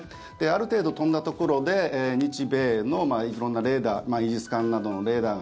ある程度、飛んだところで日米の色んなレーダーイージス艦などのレーダー